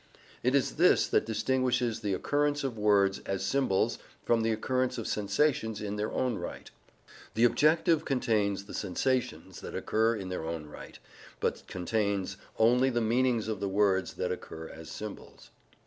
It is this that distinguishes the occurrence of words as symbols from the occurrence of sensations in their own right: the objective contains the sensations that occur in their own right, but contains only the meanings of the words that occur as symbols.